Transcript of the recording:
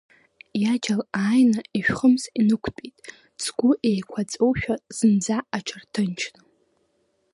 Иаџьал ааины ишәхымс инықәтәеит, Цгәы еиқәаҵәоушәа, зынӡа аҽырҭынчны.